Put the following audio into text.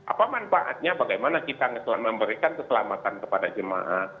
apa manfaatnya bagaimana kita memberikan keselamatan kepada jemaah